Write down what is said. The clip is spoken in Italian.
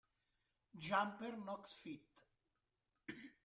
Jumper Nox Feat.